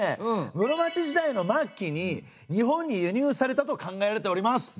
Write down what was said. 室町時代の末期に日本に輸入されたと考えられております。